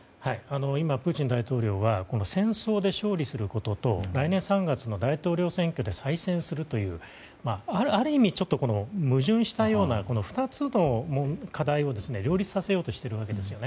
今、プーチン大統領は戦争で勝利することと来年３月の大統領選挙で再選するというある意味、矛盾したような２つの課題を両立させようとしているわけですね。